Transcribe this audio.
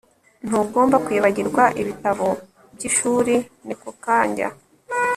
Ntugomba kwibagirwa ibitabo byishuri NekoKanjya